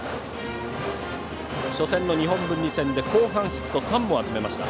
初戦の日本文理戦で後半ヒット３本集めました。